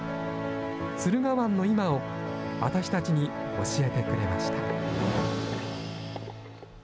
駿河湾の今を私たちに教えてくれました。